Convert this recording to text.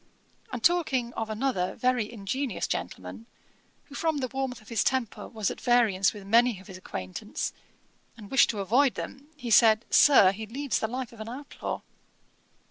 And talking of another very ingenious gentleman, who from the warmth of his temper was at variance with many of his acquaintance, and wished to avoid them, he said, 'Sir, he leads the life of an outlaw.'